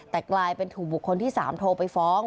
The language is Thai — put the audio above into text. แต่กลายเป็นถูกบุคคลที่๓โทรไปฟ้อง